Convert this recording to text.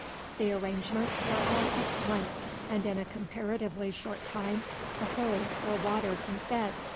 The arrangements were all excellent, and in a comparatively short time the whole were watered and fed.